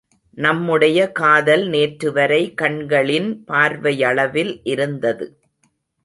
நம்முடைய காதல் நேற்றுவரை கண்களின் பார்வையளவில் இருந்தது.